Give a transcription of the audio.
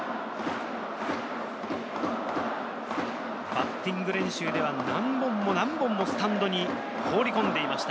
バッティング練習では何本も何本もスタンドに放り込んでいました